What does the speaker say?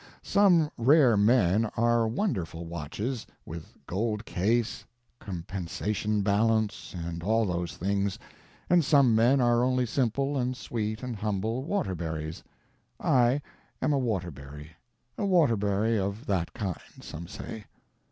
Some rare men are wonderful watches, with gold case, compensation balance, and all those things, and some men are only simple and sweet and humble Waterburys. I am a Waterbury. A Waterbury of that kind, some say.